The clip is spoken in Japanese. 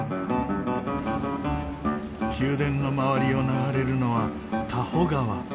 宮殿の周りを流れるのはタホ川。